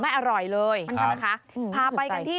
ไม่อร่อยเลยพาไปกันที่